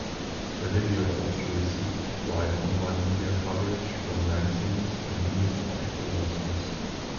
The video also received wide online media coverage from magazines and news article websites.